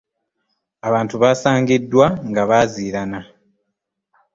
Abantu baasangiddwa nga baazirana.